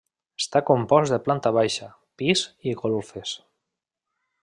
Està compost de planta baixa, pis i golfes.